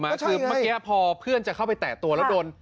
คือเมื่อกี้พอเพื่อนจะเข้าไปแตะตัวแล้วโดน